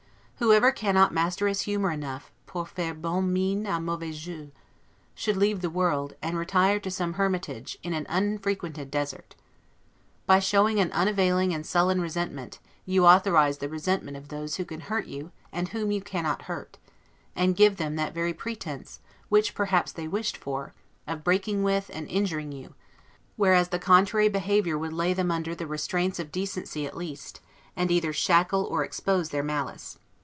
Whoever cannot master his humor enough, 'pour faire bonne mine a mauvais jeu', should leave the world, and retire to some hermitage, in an unfrequented desert. By showing an unavailing and sullen resentment, you authorize the resentment of those who can hurt you and whom you cannot hurt; and give them that very pretense, which perhaps they wished for, of breaking with, and injuring you; whereas the contrary behavior would lay them under, the restraints of decency at least; and either shackle or expose their malice.